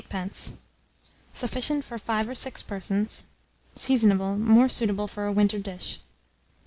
Sufficient for 5 or 6 persons. Seasonable. More suitable for a winter dish.